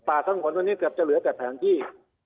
ทั้งฝนวันนี้เกือบจะเหลือแต่แผนที่